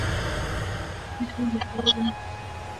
春秋时期鲁国人。